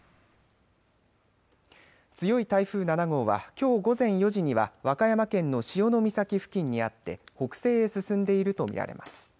強い台風７号はきょう午前４時には和歌山県の潮岬付近にあって北西へ進んでいるものと見られます。